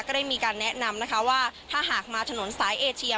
ได้มีการแนะนำนะคะว่าถ้าหากมาถนนสายเอเชีย